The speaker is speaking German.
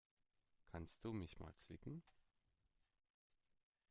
Kannst du mich mal zwicken?